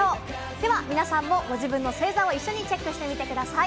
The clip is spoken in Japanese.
では、皆さんもご自分の星座を一緒にチェックしてみてください。